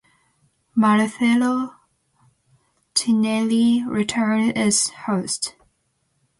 Marcelo Tinelli returned as host.